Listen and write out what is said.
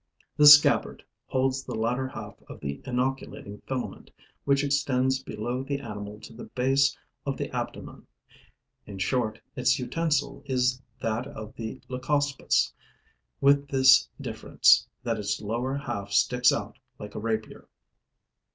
This scabbard holds the latter half of the inoculating filament, which extends below the animal to the base of the abdomen. In short, its utensil is that of the Leucospis, with this difference, that its lower half sticks out like a rapier.